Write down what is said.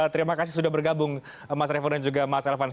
terima kasih sudah bergabung mas revo dan juga mas elvan